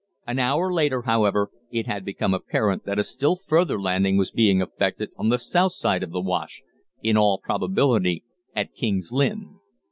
An hour later, however, it had become apparent that a still further landing was being effected on the south side of the Wash, in all probability at King's Lynn.